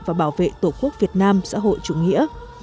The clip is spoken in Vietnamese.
và bảo vệ tổ quốc việt nam xã hội chủ nghĩa